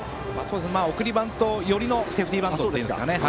送りバント寄りのセーフティーバントですかね。